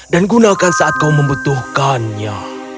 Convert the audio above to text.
dan gunakan saat kau membutuhkannya